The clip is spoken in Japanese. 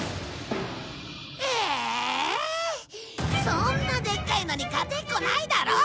そんなでっかいのに勝てっこないだろ！